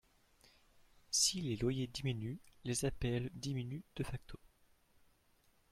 Si les loyers diminuent, les APL diminuent de facto.